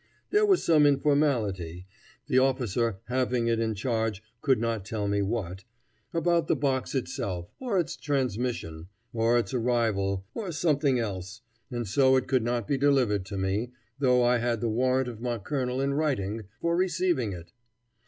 There was some informality, the officer having it in charge could not tell me what, about the box itself, or its transmission, or its arrival, or something else, and so it could not be delivered to me, though I had the warrant of my colonel in writing, for receiving it.